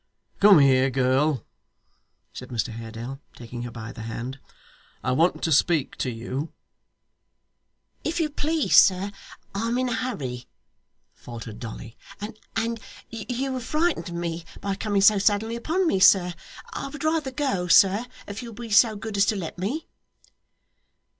'Come here, girl,' said Mr Haredale, taking her by the hand. 'I want to speak to you.' 'If you please, sir, I'm in a hurry,' faltered Dolly, 'and you have frightened me by coming so suddenly upon me, sir I would rather go, sir, if you'll be so good as to let me.